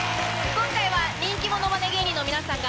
今回は人気ものまね芸人の皆さんが。